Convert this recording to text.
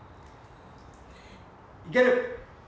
いける！